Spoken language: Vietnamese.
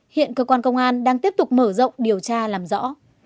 hiện cơ quan công an đang tiếp tục mở rộng điều tra làm rõ